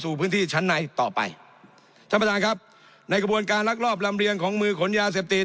สำหรับทางครับในกระบวนการรักรอบลำเรียงของมือขนยาเสพติด